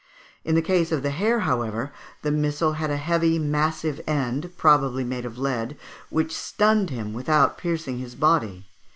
In the case of the hare, however, the missile had a heavy, massive end, probably made of lead, which stunned him without piercing his body (Fig.